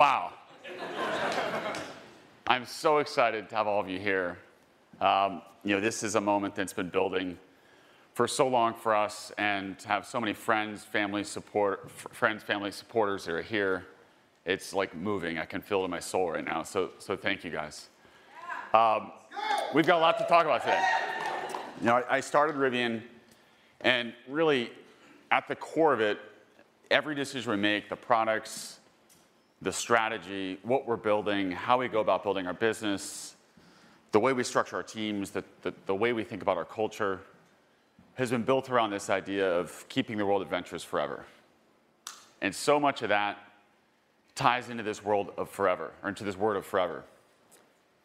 Wow. I'm so excited to have all of you here. You know, this is a moment that's been building for so long for us, and to have so many friends, family, support friends, family, supporters that are here, it's like moving. I can feel it in my soul right now. So, so thank you, guys. We've got a lot to talk about today. You know, I started Rivian, and really at the core of it, every decision we make, the products, the strategy, what we're building, how we go about building our business, the way we structure our teams, the way we think about our culture, has been built around this idea of keeping the world adventurous forever. And so much of that ties into this world of forever, or into this word of forever.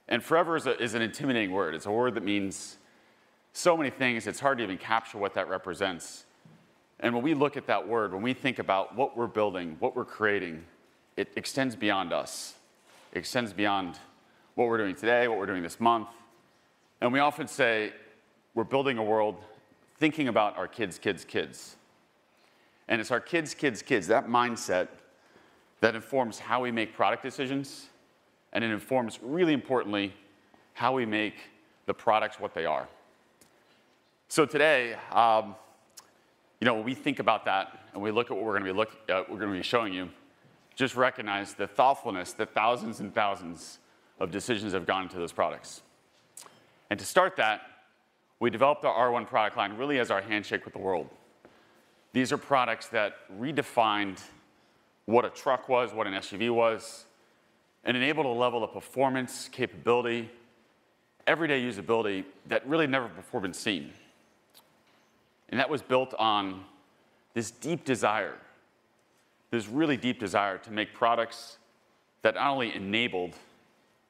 And forever is an intimidating word. It's a word that means so many things. It's hard to even capture what that represents. And when we look at that word, when we think about what we're building, what we're creating, it extends beyond us. It extends beyond what we're doing today, what we're doing this month. And we often say we're building a world thinking about our kids, kids, kids. And it's our kids' kids' kids' that mindset that informs how we make product decisions, and it informs, really importantly, how we make the products what they are. So today, you know, when we think about that and we look at what we're going to be looking at, what we're going to be showing you, just recognize the thoughtfulness that thousands and thousands of decisions have gone into those products. And to start that, we developed our R1 product line really as our handshake with the world. These are products that redefined what a truck was, what an SUV was, and enabled a level of performance, capability, everyday usability that really never before had been seen. That was built on this deep desire, this really deep desire to make products that not only enabled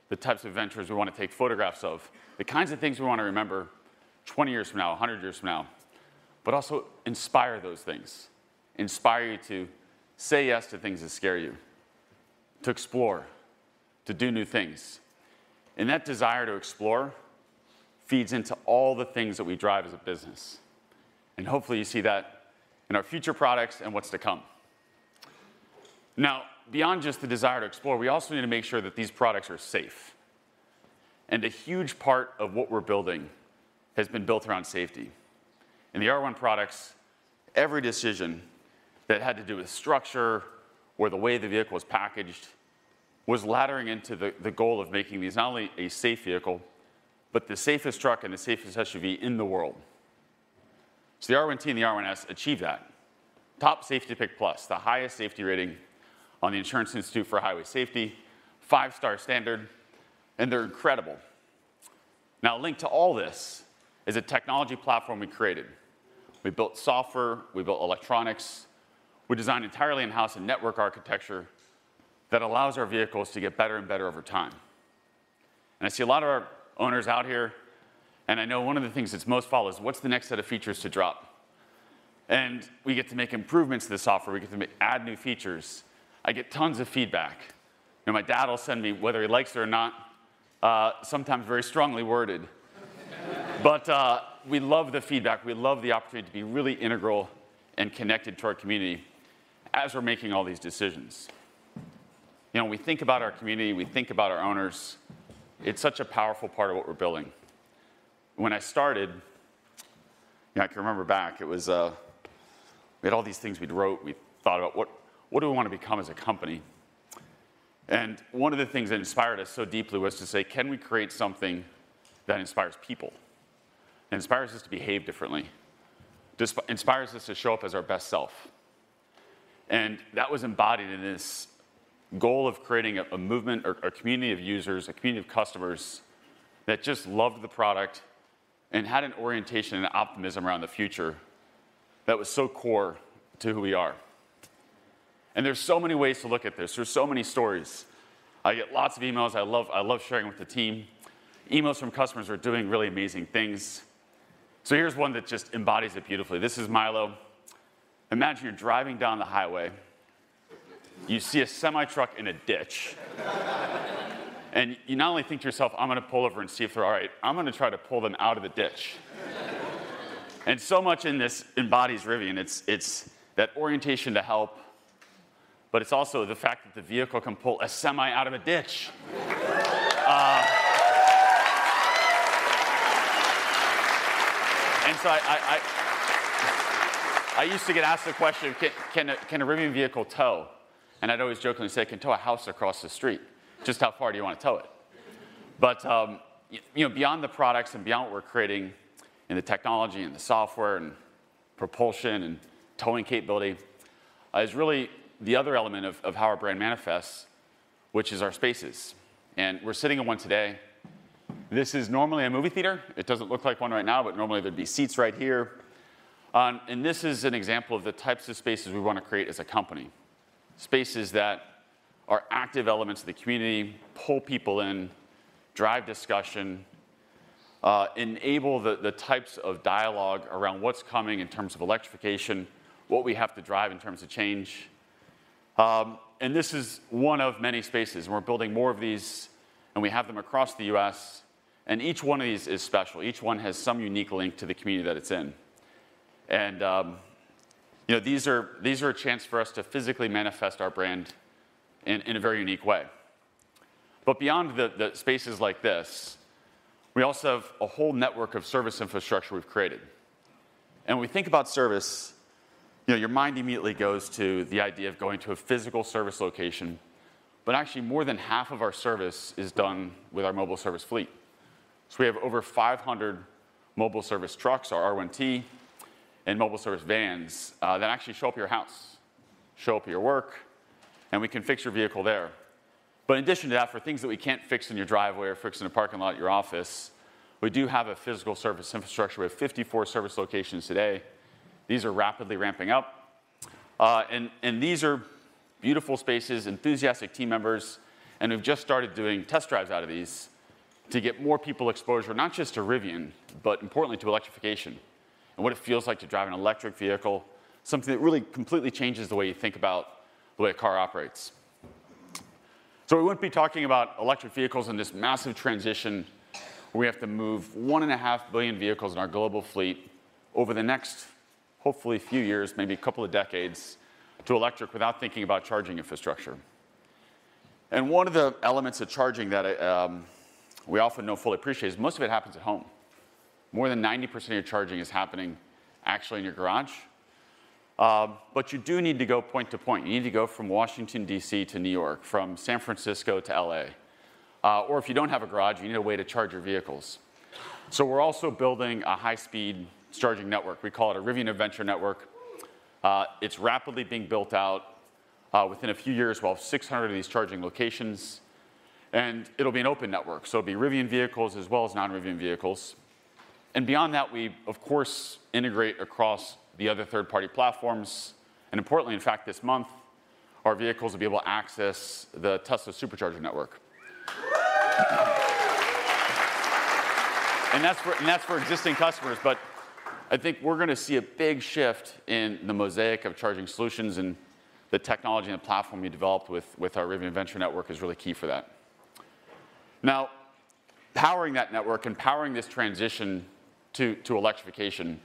the types of adventures we want to take photographs of, the kinds of things we want to remember 20 years from now, 100 years from now, but also inspire those things, inspire you to say yes to things that scare you, to explore, to do new things. That desire to explore feeds into all the things that we drive as a business. Hopefully you see that in our future products and what's to come. Now, beyond just the desire to explore, we also need to make sure that these products are safe. A huge part of what we're building has been built around safety. In the R1 products, every decision that had to do with structure or the way the vehicle was packaged was laddering into the goal of making these not only a safe vehicle, but the safest truck and the safest SUV in the world. So the R1T and the R1S achieved that. Top Safety Pick+, the highest safety rating on the Insurance Institute for Highway Safety, five-star standard, and they're incredible. Now, linked to all this is a technology platform we created. We built software, we built electronics, we designed entirely in-house a network architecture that allows our vehicles to get better and better over time. And I see a lot of our owners out here, and I know one of the things that's most followed is what's the next set of features to drop. And we get to make improvements to the software. We get to add new features. I get tons of feedback. You know, my dad will send me, whether he likes it or not, sometimes very strongly worded. But we love the feedback. We love the opportunity to be really integral and connected to our community as we're making all these decisions. You know, when we think about our community, we think about our owners. It's such a powerful part of what we're building. When I started, you know, I can remember back, it was we had all these things we'd wrote. We thought about what do we want to become as a company? One of the things that inspired us so deeply was to say, can we create something that inspires people? It inspires us to behave differently. It inspires us to show up as our best self. That was embodied in this goal of creating a movement, a community of users, a community of customers that just loved the product and had an orientation and optimism around the future that was so core to who we are. There's so many ways to look at this. There's so many stories. I get lots of emails. I love sharing them with the team. Emails from customers are doing really amazing things. Here's one that just embodies it beautifully. This is Mylo. Imagine you're driving down the highway. You see a semi-truck in a ditch. You not only think to yourself, I'm going to pull over and see if they're all right, I'm going to try to pull them out of the ditch. So much in this embodies Rivian. It's that orientation to help, but it's also the fact that the vehicle can pull a semi out of a ditch. And so I used to get asked the question, "Can a Rivian vehicle tow?" And I'd always jokingly say, "It can tow a house across the street." Just how far do you want to tow it? But, you know, beyond the products and beyond what we're creating in the technology and the software and propulsion and towing capability, is really the other element of how our brand manifests, which is our spaces. And we're sitting in one today. This is normally a movie theater. It doesn't look like one right now, but normally there'd be seats right here. And this is an example of the types of spaces we want to create as a company. Spaces that are active elements of the community, pull people in, drive discussion, enable the types of dialogue around what's coming in terms of electrification, what we have to drive in terms of change. This is one of many spaces. We're building more of these, and we have them across the U.S. Each one of these is special. Each one has some unique link to the community that it's in. You know, these are a chance for us to physically manifest our brand in a very unique way. But beyond the spaces like this, we also have a whole network of service infrastructure we've created. When we think about service, you know, your mind immediately goes to the idea of going to a physical service location. But actually, more than half of our service is done with our mobile service fleet. So we have over 500 mobile service trucks, our R1T, and mobile service vans that actually show up at your house, show up at your work, and we can fix your vehicle there. But in addition to that, for things that we can't fix in your driveway or fix in a parking lot at your office, we do have a physical service infrastructure. We have 54 service locations today. These are rapidly ramping up. And these are beautiful spaces, enthusiastic team members. And we've just started doing test drives out of these to get more people exposure, not just to Rivian, but importantly, to electrification and what it feels like to drive an electric vehicle, something that really completely changes the way you think about the way a car operates. So we won't be talking about electric vehicles in this massive transition where we have to move 1.5 billion vehicles in our global fleet over the next, hopefully, few years, maybe a couple of decades, to electric without thinking about charging infrastructure. And one of the elements of charging that we often don't fully appreciate is most of it happens at home. More than 90% of your charging is happening actually in your garage. But you do need to go point to point. You need to go from Washington, D.C., to New York, from San Francisco to L.A. Or if you don't have a garage, you need a way to charge your vehicles. So we're also building a high-speed charging network. We call it a Rivian Adventure Network. It's rapidly being built out. Within a few years, we'll have 600 of these charging locations. And it'll be an open network. It'll be Rivian vehicles as well as non-Rivian vehicles. Beyond that, we, of course, integrate across the other third-party platforms. Importantly, in fact, this month, our vehicles will be able to access the Tesla Supercharger network. That's for existing customers. But I think we're going to see a big shift in the mosaic of charging solutions. The technology and the platform we developed with our Rivian Adventure Network is really key for that. Now, powering that network and powering this transition to electrification,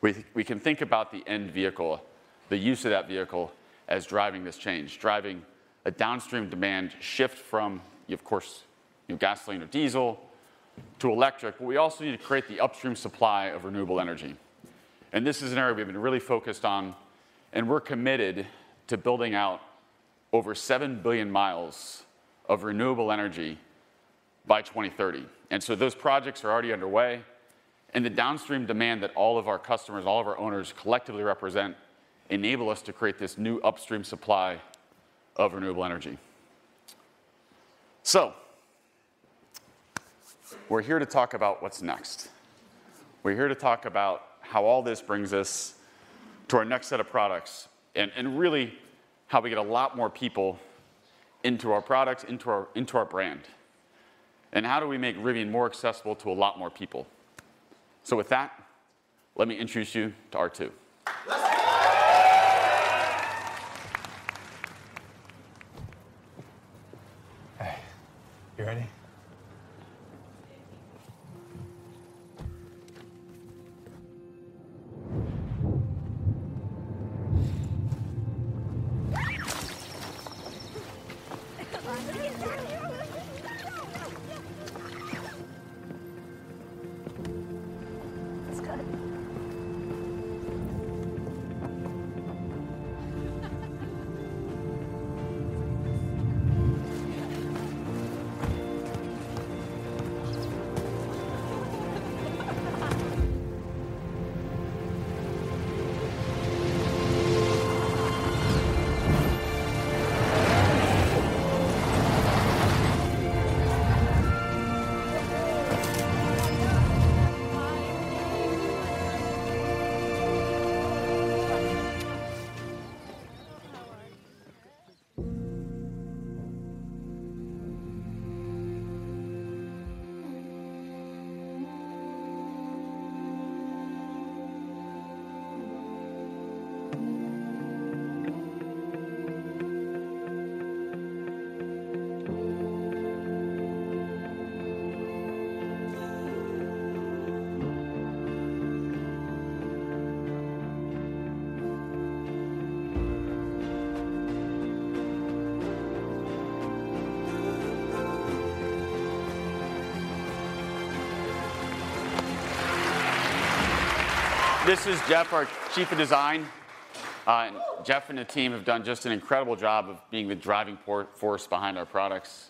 we can think about the end vehicle, the use of that vehicle as driving this change, driving a downstream demand shift from, of course, gasoline or diesel to electric. But we also need to create the upstream supply of renewable energy. This is an area we've been really focused on, and we're committed to building out over 7 billion mi of renewable energy by 2030. Those projects are already underway. The downstream demand that all of our customers, all of our owners collectively represent enable us to create this new upstream supply of renewable energy. We're here to talk about what's next. We're here to talk about how all this brings us to our next set of products and really how we get a lot more people into our products, into our brand, and how do we make Rivian more accessible to a lot more people. With that, let me introduce you to R2. This is Jeff, our Chief of Design. Jeff and the team have done just an incredible job of being the driving force behind our products.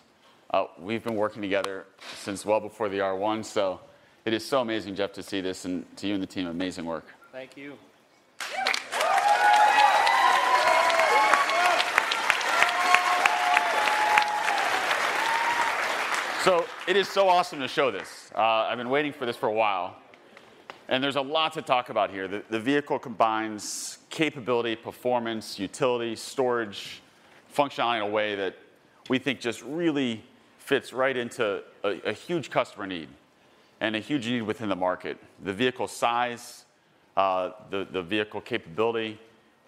We've been working together since well before the R1. So it is so amazing, Jeff, to see this and to you and the team, amazing work. Thank you. It is so awesome to show this. I've been waiting for this for a while. There's a lot to talk about here. The vehicle combines capability, performance, utility, storage, functionality in a way that we think just really fits right into a huge customer need and a huge need within the market. The vehicle size, the vehicle capability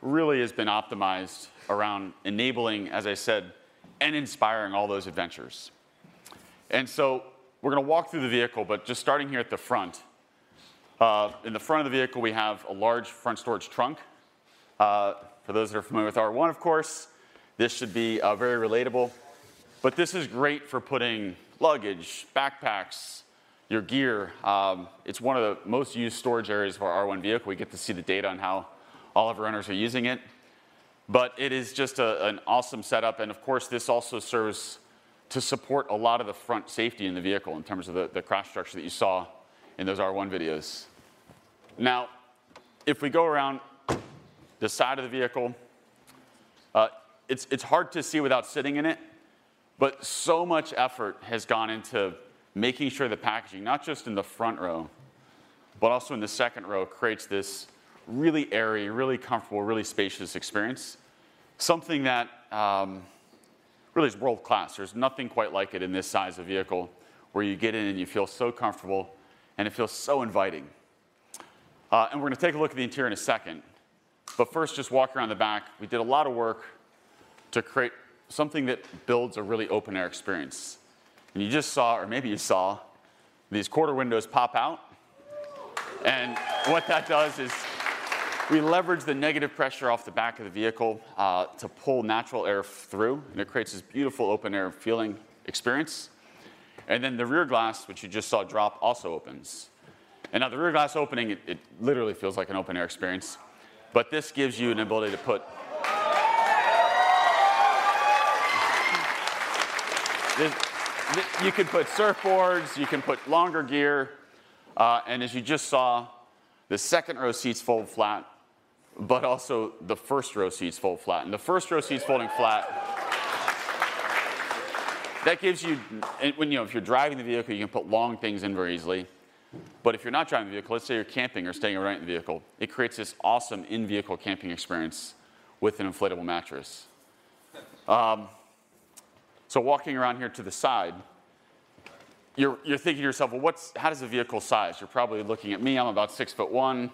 really has been optimized around enabling, as I said, and inspiring all those adventures. So we're going to walk through the vehicle. Just starting here at the front, in the front of the vehicle, we have a large front storage trunk. For those that are familiar with R1, of course, this should be very relatable. But this is great for putting luggage, backpacks, your gear. It's one of the most used storage areas for our R1 vehicle. We get to see the data on how all of our owners are using it. It is just an awesome setup. Of course, this also serves to support a lot of the front safety in the vehicle in terms of the crash structure that you saw in those R1 videos. Now, if we go around the side of the vehicle, it's hard to see without sitting in it. So much effort has gone into making sure the packaging, not just in the front row, but also in the second row, creates this really airy, really comfortable, really spacious experience, something that really is world-class. There's nothing quite like it in this size of vehicle where you get in and you feel so comfortable, and it feels so inviting. We're going to take a look at the interior in a second. But first, just walking around the back, we did a lot of work to create something that builds a really open-air experience. You just saw, or maybe you saw, these quarter windows pop out. And what that does is we leverage the negative pressure off the back of the vehicle to pull natural air through. And it creates this beautiful open-air feeling experience. Then the rear glass, which you just saw drop, also opens. And now the rear glass opening, it literally feels like an open-air experience. But this gives you an ability to put you could put surfboards. You can put longer gear. And as you just saw, the second row seats fold flat. But also, the first row seats fold flat. And the first row seats folding flat, that gives you if you're driving the vehicle, you can put long things in very easily. But if you're not driving the vehicle, let's say you're camping or staying overnight in the vehicle, it creates this awesome in-vehicle camping experience with an inflatable mattress. So walking around here to the side, you're thinking to yourself, well, how does the vehicle size? You're probably looking at me. I'm about 6'1".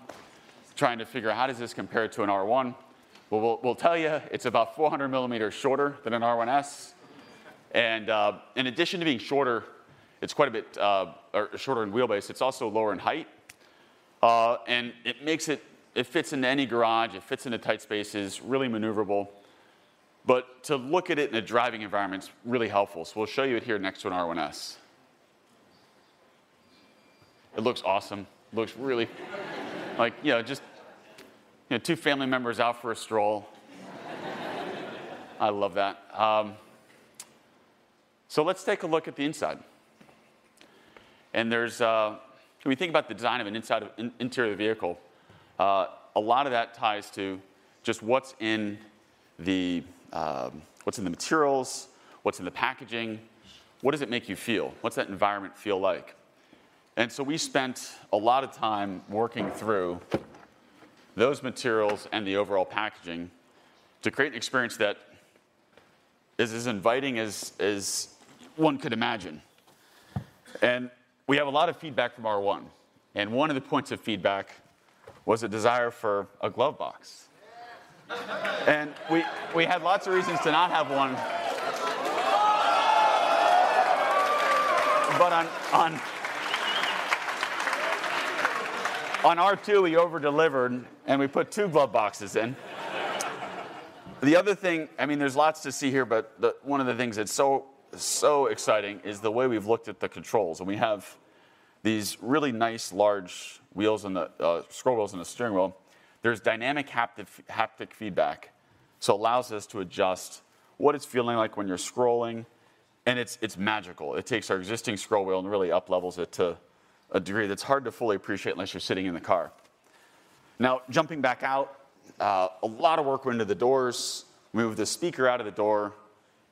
Trying to figure out, how does this compare to an R1? Well, we'll tell you, it's about 400 millimeters shorter than an R1S. And in addition to being shorter, it's quite a bit shorter in wheelbase. It's also lower in height. And it makes it fit into any garage. It fits into tight spaces. Really maneuverable. But to look at it in a driving environment, it's really helpful. So we'll show you it here next to an R1S. It looks awesome. It looks really like, you know, just two family members out for a stroll. I love that. So let's take a look at the inside. And there's when we think about the design of an interior of the vehicle, a lot of that ties to just what's in the materials, what's in the packaging, what does it make you feel? What's that environment feel like? And so we spent a lot of time working through those materials and the overall packaging to create an experience that is as inviting as one could imagine. And we have a lot of feedback from R1. And one of the points of feedback was a desire for a glove box. And we had lots of reasons to not have one. But on R2, we overdelivered. And we put two glove boxes in. The other thing I mean, there's lots to see here. But one of the things that's so, so exciting is the way we've looked at the controls. We have these really nice large wheels and the scroll wheels on the steering wheel. There's dynamic haptic feedback. It allows us to adjust what it's feeling like when you're scrolling. And it's magical. It takes our existing scroll wheel and really uplevels it to a degree that's hard to fully appreciate unless you're sitting in the car. Now, jumping back out, a lot of work went into the doors. We moved the speaker out of the door.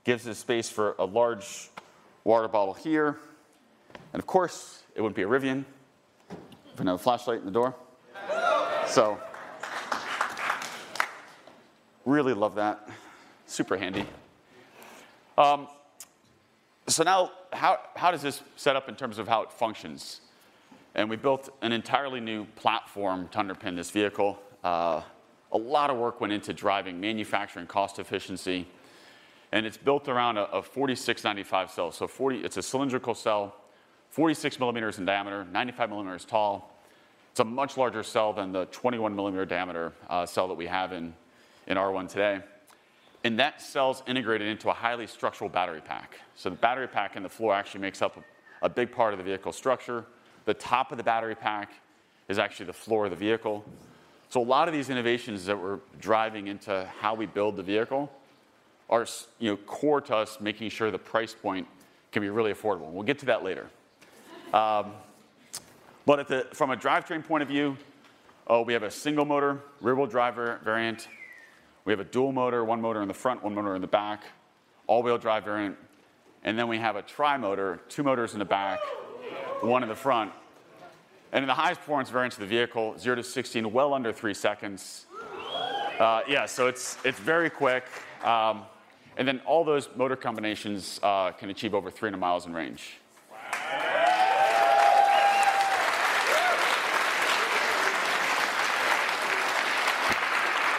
Gives us space for a large water bottle here. And of course, it wouldn't be a Rivian if we had no flashlight in the door. Really love that. Super handy. Now, how does this set up in terms of how it functions? And we built an entirely new platform to underpin this vehicle. A lot of work went into driving, manufacturing, cost efficiency. And it's built around a 4695 cell. So it's a cylindrical cell, 46 millimeters in diameter, 95 millimeters tall. It's a much larger cell than the 21-millimeter-diameter cell that we have in R1 today. And that cell's integrated into a highly structural battery pack. So the battery pack in the floor actually makes up a big part of the vehicle structure. The top of the battery pack is actually the floor of the vehicle. So a lot of these innovations that we're driving into how we build the vehicle are core to us, making sure the price point can be really affordable. And we'll get to that later. But from a drive train point of view, we have a Single-Motor, rear-wheel-drive variant. We have a Dual-Motor, one motor in the front, one motor in the back, all-wheel drive variant. And then we have a Tri-Motor, two motors in the back, one in the front. And in the highest performance variants of the vehicle, 0-16, well under 3 seconds. Yeah. So it's very quick. And then all those motor combinations can achieve over 300mi in range.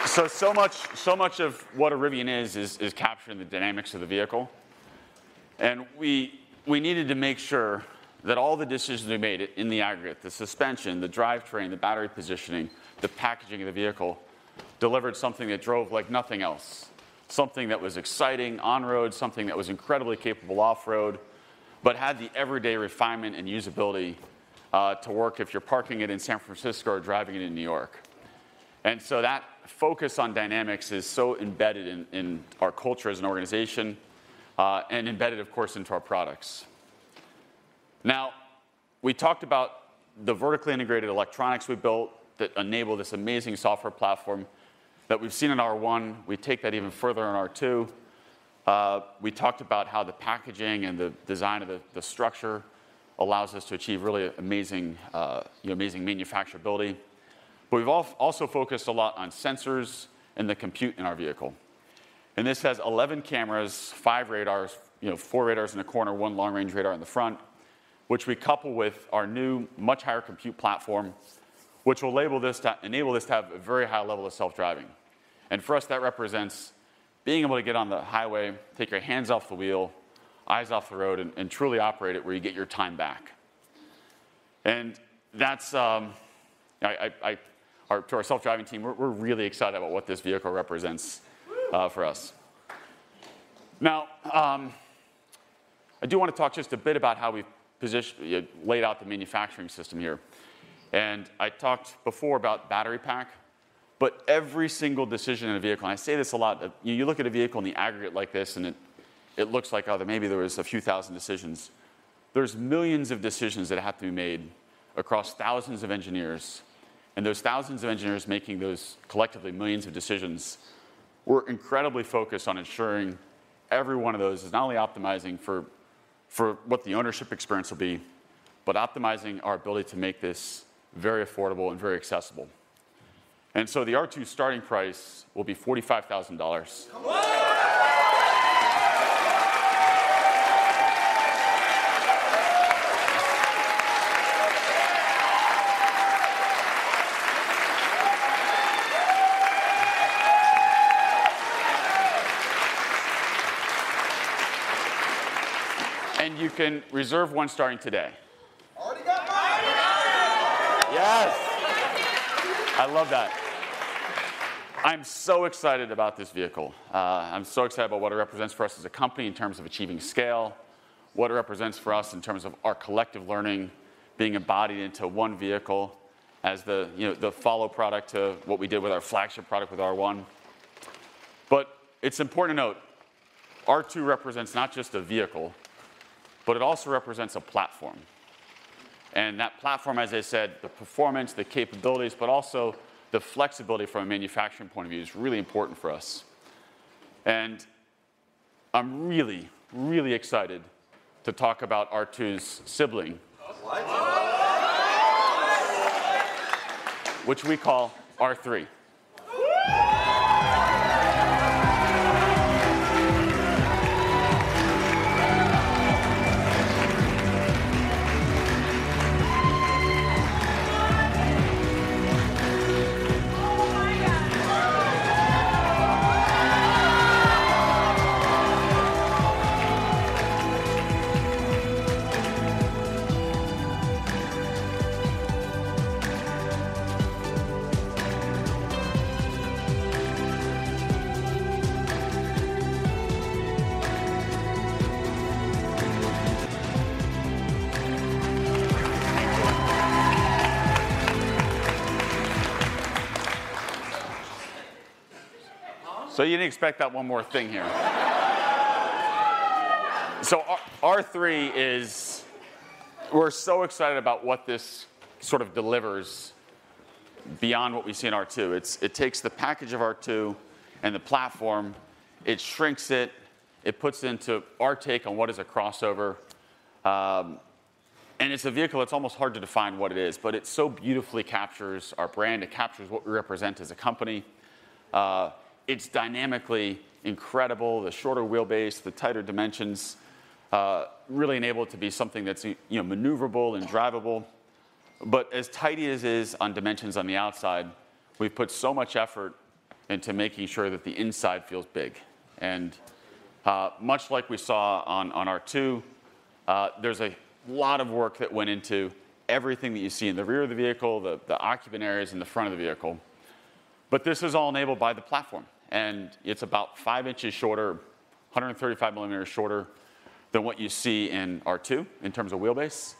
So so much of what a Rivian is is capturing the dynamics of the vehicle. We needed to make sure that all the decisions we made in the aggregate, the suspension, the drive train, the battery positioning, the packaging of the vehicle, delivered something that drove like nothing else, something that was exciting on road, something that was incredibly capable off road, but had the everyday refinement and usability to work if you're parking it in San Francisco or driving it in New York. So that focus on dynamics is so embedded in our culture as an organization and embedded, of course, into our products. Now, we talked about the vertically integrated electronics we built that enable this amazing software platform that we've seen in R1. We take that even further in R2. We talked about how the packaging and the design of the structure allows us to achieve really amazing manufacturability. But we've also focused a lot on sensors and the compute in our vehicle. This has 11 cameras, 5 radars, 4 radars in a corner, 1 long-range radar in the front, which we couple with our new, much higher compute platform, which will enable this to have a very high level of self-driving. For us, that represents being able to get on the highway, take your hands off the wheel, eyes off the road, and truly operate it where you get your time back. That's to our self-driving team; we're really excited about what this vehicle represents for us. Now, I do want to talk just a bit about how we've laid out the manufacturing system here. I talked before about battery pack. But every single decision in a vehicle, and I say this a lot, you look at a vehicle in the aggregate like this. It looks like, oh, maybe there was a few thousand decisions. There's millions of decisions that have to be made across thousands of engineers. And those thousands of engineers making those collectively millions of decisions were incredibly focused on ensuring every one of those is not only optimizing for what the ownership experience will be, but optimizing our ability to make this very affordable and very accessible. And so the R2 starting price will be $45,000. And you can reserve one starting today. I love that. I'm so excited about this vehicle. I'm so excited about what it represents for us as a company in terms of achieving scale, what it represents for us in terms of our collective learning being embodied into one vehicle as the follow-on product to what we did with our flagship product with R1. But it's important to note, R2 represents not just a vehicle, but it also represents a platform. And that platform, as I said, the performance, the capabilities, but also the flexibility from a manufacturing point of view is really important for us. And I'm really, really excited to talk about R2's sibling, which we call R3. So you didn't expect that one more thing here. So R3, we're so excited about what this sort of delivers beyond what we see in R2. It takes the package of R2 and the platform. It shrinks it. It puts into our take on what is a crossover. And it's a vehicle that's almost hard to define what it is. But it so beautifully captures our brand. It captures what we represent as a company. It's dynamically incredible. The shorter wheelbase, the tighter dimensions really enable it to be something that's maneuverable and drivable. But as tight as it is on dimensions on the outside, we've put so much effort into making sure that the inside feels big. And much like we saw on R2, there's a lot of work that went into everything that you see in the rear of the vehicle, the occupant areas, and the front of the vehicle. But this is all enabled by the platform. And it's about five inches shorter, 135 millimeters shorter than what you see in R2 in terms of wheelbase,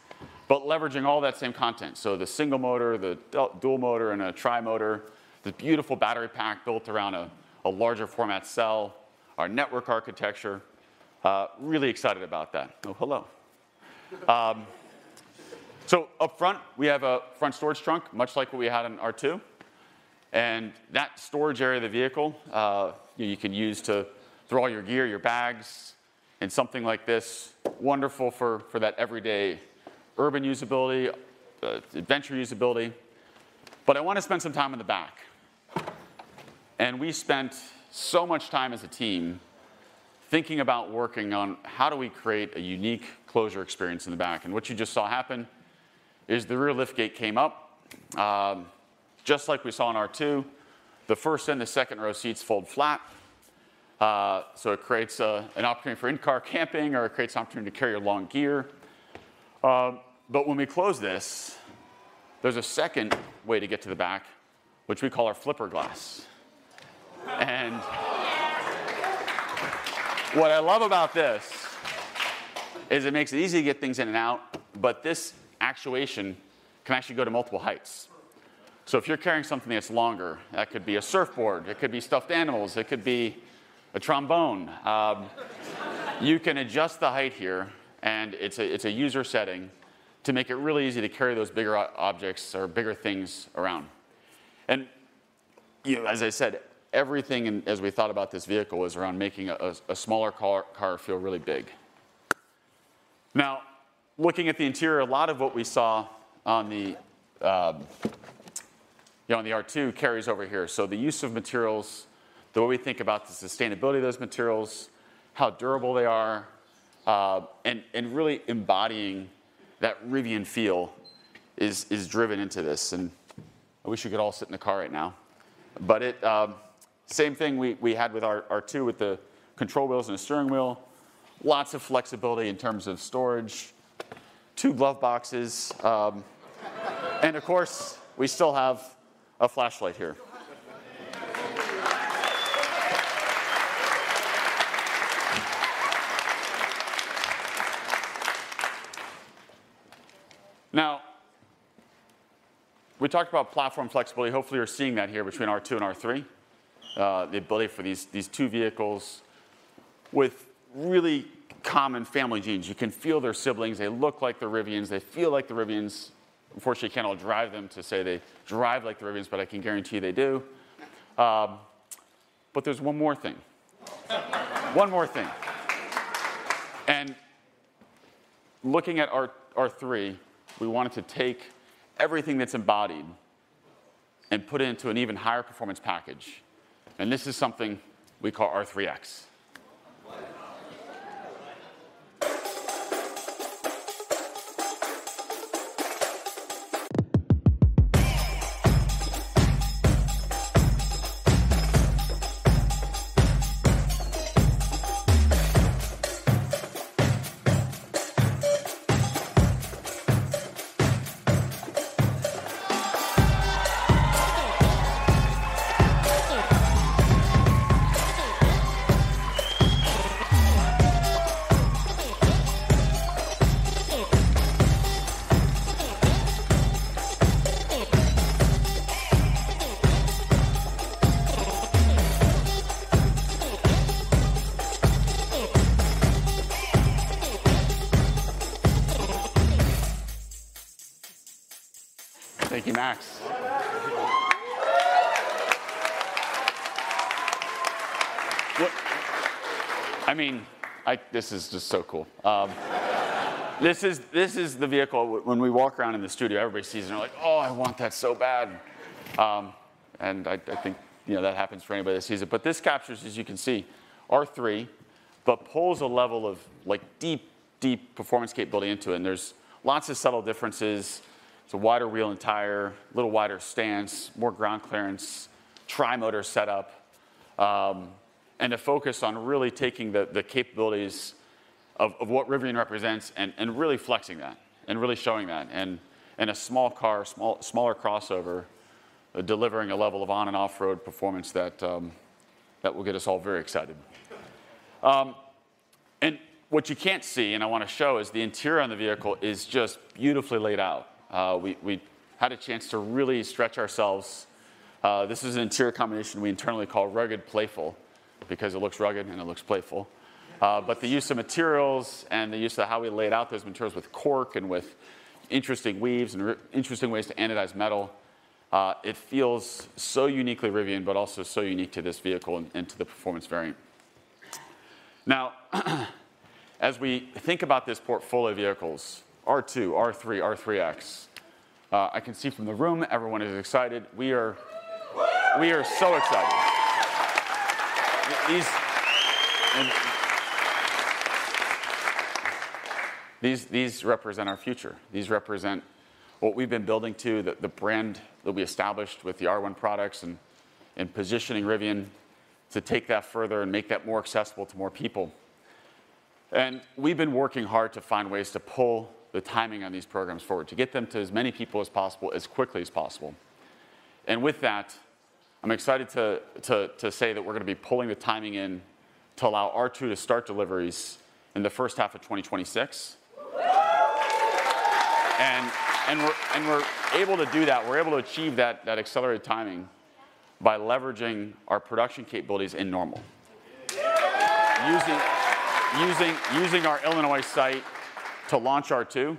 but leveraging all that same content. The Single-Motor, the Dual-Motor, and a Tri-Motor, the beautiful battery pack built around a larger format cell, our network architecture. Really excited about that. Oh, hello. Up front, we have a front storage trunk, much like what we had in R2. And that storage area of the vehicle, you can use to throw all your gear, your bags, in something like this. Wonderful for that everyday urban usability, adventure usability. But I want to spend some time in the back. And we spent so much time as a team thinking about working on how do we create a unique closure experience in the back. And what you just saw happen is the rear liftgate came up, just like we saw in R2. The first and the second row seats fold flat. So it creates an opportunity for in-car camping, or it creates an opportunity to carry your long gear. But when we close this, there's a second way to get to the back, which we call our flipper glass. And what I love about this is it makes it easy to get things in and out. But this actuation can actually go to multiple heights. So if you're carrying something that's longer, that could be a surfboard. It could be stuffed animals. It could be a trombone. You can adjust the height here. And it's a user setting to make it really easy to carry those bigger objects or bigger things around. And as I said, everything as we thought about this vehicle is around making a smaller car feel really big. Now, looking at the interior, a lot of what we saw on the R2 carries over here. So the use of materials, the way we think about the sustainability of those materials, how durable they are, and really embodying that Rivian feel is driven into this. And I wish we could all sit in the car right now. But same thing we had with R2 with the control wheels and the steering wheel. Lots of flexibility in terms of storage, two glove boxes. And of course, we still have a flashlight here. Now, we talked about platform flexibility. Hopefully, you're seeing that here between R2 and R3, the ability for these two vehicles with really common family genes. You can feel their siblings. They look like the Rivians. They feel like the Rivians. Unfortunately, you can't all drive them to say they drive like the Rivians. But I can guarantee they do. But there's one more thing. One more thing. Looking at R3, we wanted to take everything that's embodied and put it into an even higher performance package. This is something we call R3X. Thank you, Max. I mean, this is just so cool. This is the vehicle when we walk around in the studio, everybody sees it. And they're like, "Oh, I want that so bad." And I think that happens for anybody that sees it. But this captures, as you can see, R3, but pulls a level of deep, deep performance capability into it. There's lots of subtle differences. It's a wider wheel and tire, little wider stance, more ground clearance, tri-motor setup, and a focus on really taking the capabilities of what Rivian represents and really flexing that and really showing that. A small car, smaller crossover, delivering a level of on- and off-road performance that will get us all very excited. What you can't see, and I want to show, is the interior on the vehicle is just beautifully laid out. We had a chance to really stretch ourselves. This is an interior combination we internally call rugged, playful, because it looks rugged and it looks playful. The use of materials and the use of how we laid out those materials with cork and with interesting weaves and interesting ways to anodize metal, it feels so uniquely Rivian, but also so unique to this vehicle and to the performance variant. Now, as we think about this portfolio of vehicles, R2, R3, R3X, I can see from the room everyone is excited. We are so excited. These represent our future. These represent what we've been building to, the brand that we established with the R1 products and positioning Rivian to take that further and make that more accessible to more people. We've been working hard to find ways to pull the timing on these programs forward, to get them to as many people as possible, as quickly as possible. With that, I'm excited to say that we're going to be pulling the timing in to allow R2 to start deliveries in the first half of 2026. We're able to do that. We're able to achieve that accelerated timing by leveraging our production capabilities in Normal, using our Illinois site to launch R2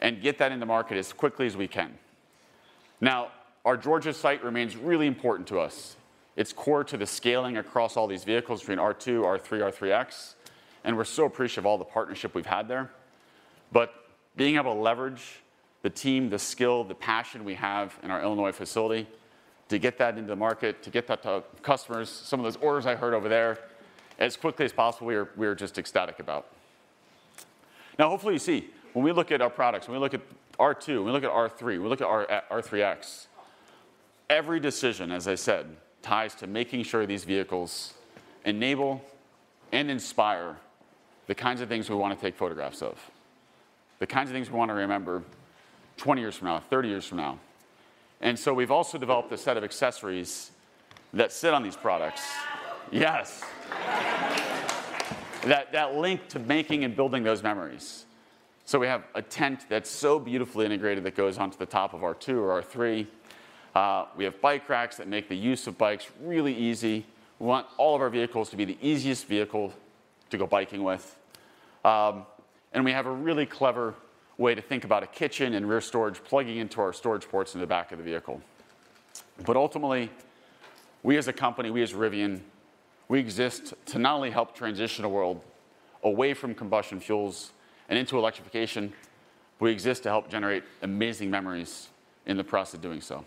and get that into market as quickly as we can. Now, our Georgia site remains really important to us. It's core to the scaling across all these vehicles between R2, R3, R3X. We're so appreciative of all the partnership we've had there. But being able to leverage the team, the skill, the passion we have in our Illinois facility to get that into the market, to get that to customers, some of those orders I heard over there as quickly as possible, we are just ecstatic about. Now, hopefully, you see, when we look at our products, when we look at R2, when we look at R3, when we look at R3X, every decision, as I said, ties to making sure these vehicles enable and inspire the kinds of things we want to take photographs of, the kinds of things we want to remember 20 years from now, 30 years from now. So we've also developed a set of accessories that sit on these products. Yes. That link to making and building those memories. So we have a tent that's so beautifully integrated that goes onto the top of R2 or R3. We have bike racks that make the use of bikes really easy. We want all of our vehicles to be the easiest vehicle to go biking with. And we have a really clever way to think about a kitchen and rear storage plugging into our storage ports in the back of the vehicle. But ultimately, we as a company, we as Rivian, we exist to not only help transition the world away from combustion fuels and into electrification, but we exist to help generate amazing memories in the process of doing so.